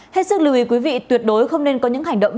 hết sức lưu ý quý vị tuyệt đối không nên có những hành động